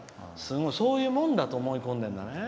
そういうもんだって思い込んでるんだね。